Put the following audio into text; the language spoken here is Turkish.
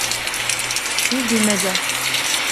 Bir bilmece.